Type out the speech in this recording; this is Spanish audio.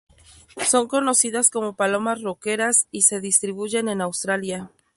Son conocidas como palomas roqueras y se distribuyen en Australia.